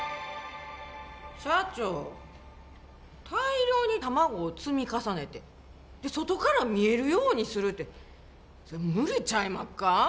社長大量に卵を積み重ねてで外から見えるようにするてそれ無理ちゃいまっか？